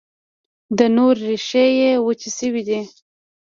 د نور، ریښې یې وچي شوي دي